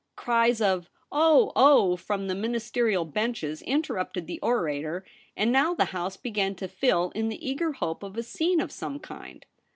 Cries of 'Oh, oh!' from the ministerial benches interrupted the orator, and now the House began to fill in the eager hope of a scene of some kind.